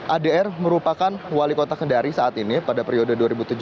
adr merupakan wali kota kendari saat ini pada periode dua ribu tujuh belas